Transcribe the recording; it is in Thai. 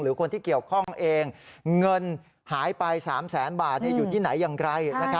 คนที่เกี่ยวข้องเองเงินหายไป๓แสนบาทอยู่ที่ไหนอย่างไร